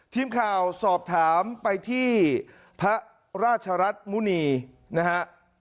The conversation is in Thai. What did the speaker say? ทีมข่าวสอบถามไปที่พระราชรัฐมุณีนะฮะ